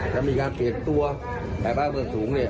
จะมีการเปลี่ยนตัวแอบอ้างเวลาสูง